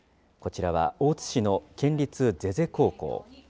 こちらは大津市の県立膳所高校。